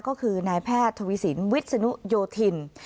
ก็คือนายแพทย์ทวีสินวิศนุโยธิน